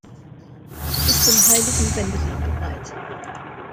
Sie ist dem heiligen Wendelin geweiht.